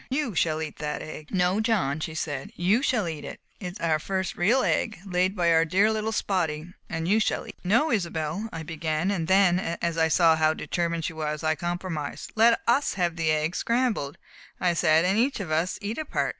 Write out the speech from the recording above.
You shall eat that egg!" "No, John," she said, "you shall eat it. It is our first real egg, laid by our dear little Spotty, and you shall eat it." "No, Isobel," I began, and then, as I saw how determined she was, I compromised. "Let us have the egg scrambled," I said, "and each of us eat a part."